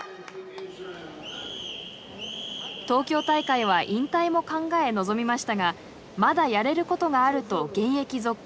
東京大会は引退も考え臨みましたがまだやれることがあると現役続行を決意。